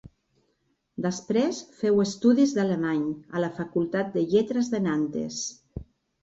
Després féu estudis d'alemany a la Facultat de Lletres de Nantes.